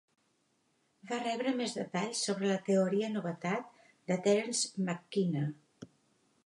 Va rebre més detalls sobre la Teoria Novetat de Terence McKenna.